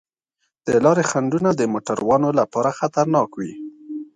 د لارې خنډونه د موټروانو لپاره خطرناک وي.